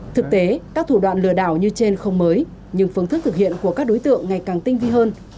thực tế các thủ đoạn lừa đảo như trên không mới nhưng phương thức thực hiện của các đối tượng ngày càng tinh vi hơn